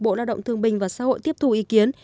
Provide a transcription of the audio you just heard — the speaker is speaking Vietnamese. bộ lao động thương bình và xã hội tiếp thu ý kiến